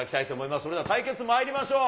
それでは対決まいりましょう。